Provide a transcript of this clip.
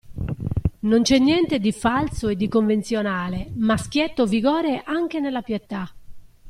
Non c'è niente di falso e di convenzionale, ma schietto vigore anche nella pietà.